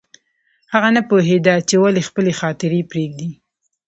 هغه نه پوهېده چې ولې خپلې خاطرې پرېږدي